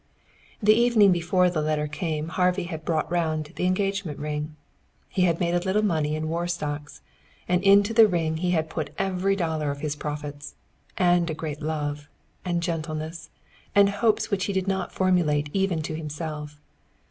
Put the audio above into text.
The evening before the letter came Harvey had brought round the engagement ring. He had made a little money in war stocks, and into the ring he had put every dollar of his profits and a great love, and gentleness, and hopes which he did not formulate even to himself.